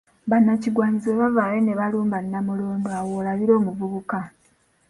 Bannakigwanyizi bwe bavaayo ne balumba Namulondo awo w'olabira omuvubuka.